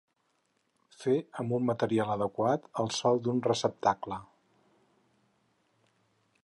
Fer amb un material adequat el sòl d'un receptacle.